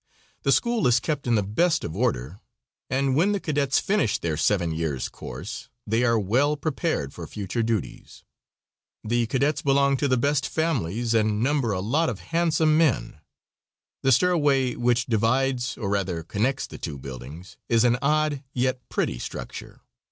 The school is kept in the best of order, and when the cadets finish their seven years' course they are well prepared for future duties. The cadets belong to the best families and number a lot of handsome men. The stairway which divides, or rather connects, the two buildings is an odd yet pretty structure.